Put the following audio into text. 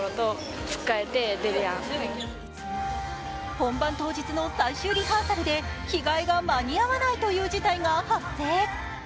本番当日の最終リハーサルで着替えが間に合わないという事態が発生。